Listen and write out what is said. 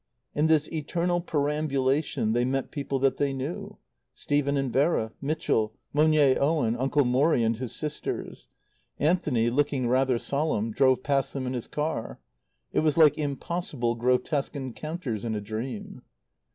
In this eternal perambulation they met people that they knew; Stephen and Vera; Mitchell, Monier Owen; Uncle Morrie and his sisters. Anthony, looking rather solemn, drove past them in his car. It was like impossible, grotesque encounters in a dream.